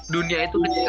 dunia itu kecil